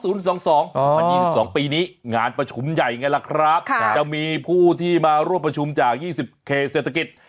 วันที่๒๒ปีนี้งานประชุมใหญ่ไงล่ะครับจะมีผู้ที่มาร่วมประชุมจาก๒๐เขตเศรษฐกิจ